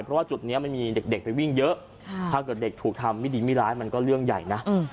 เพราะว่าจุดนี้มันมีเด็กไปวิ่งเยอะถ้าเกิดเด็กถูกทำไม่ดีไม่ร้ายมันก็เรื่องใหญ่นะ